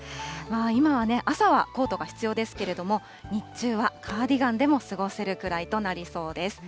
今は、朝はコートが必要ですけれども、日中はカーディガンでも過ごせるくらいとなりそうです。